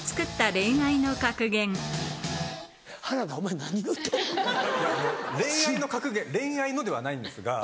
恋愛の格言恋愛のではないんですが。